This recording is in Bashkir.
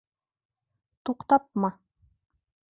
Туҡтапмы?